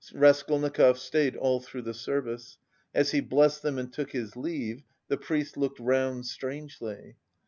Raskolnikov stayed all through the service. As he blessed them and took his leave, the priest looked round strangely.